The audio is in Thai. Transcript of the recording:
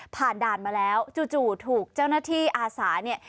ผ่านด่านมาแล้วจู่ถูกเจ้าหน้าที่อาสาเนี่ย